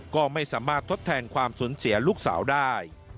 ก็ไม่สามารถทดแทนความสูญเสียลูกสาวได้